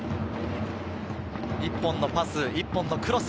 １本のパス、１本のクロス。